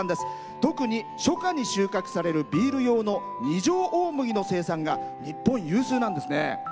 特に初夏に収穫されるビール用の二条大麦の生産が日本有数なんですね。